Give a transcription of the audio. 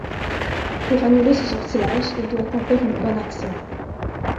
Pour annuler ce sortilège, il doit accomplir une bonne action.